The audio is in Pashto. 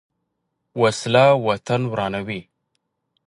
وسله وطن ورانوي